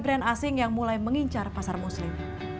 brand asing yang mulai mengincar pasar muslim